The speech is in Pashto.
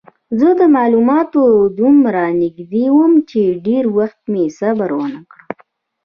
زه د معلوماتو دومره تږی وم چې ډېر وخت مې صبر ونه کړ.